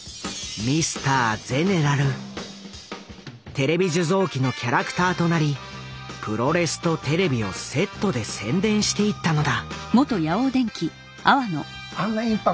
テレビ受像機のキャラクターとなりプロレスとテレビをセットで宣伝していったのだ。